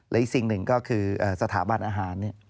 และอีกสิ่งหนึ่งก็คือสถาบันอาหาร